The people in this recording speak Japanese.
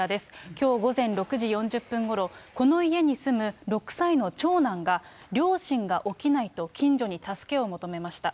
きょう午前６時４０分ごろ、この家に住む６歳の長男が、両親が起きないと近所に助けを求めました。